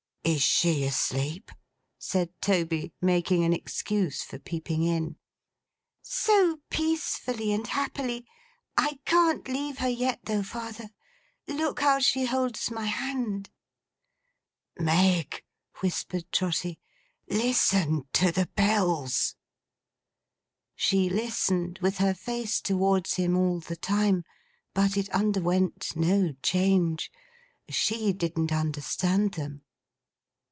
'Is she asleep?' said Toby, making an excuse for peeping in. 'So peacefully and happily! I can't leave her yet though, father. Look how she holds my hand!' 'Meg,' whispered Trotty. 'Listen to the Bells!' She listened, with her face towards him all the time. But it underwent no change. She didn't understand them.